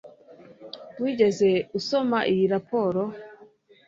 Wigeze usoma iyi raporo